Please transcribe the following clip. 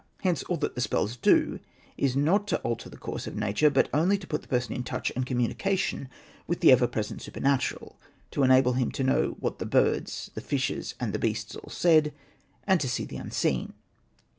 Hence all that the spells do is not to alter the course of nature, but only to put the person into touch and communication with the ever present supernatural, to enable him to know what the birds, the fishes, and the beasts all said, and to see the unseen.